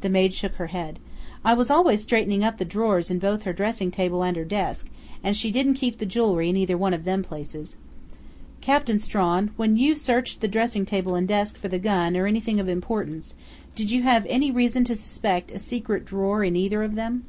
The maid shook her head. "I was always straightening up the drawers in both her dressing table and her desk, and she didn't keep the jewelry in either one of them places." "Captain Strawn, when you searched the dressing table and desk for the gun or anything of importance, did you have any reason to suspect a secret drawer in either of them?"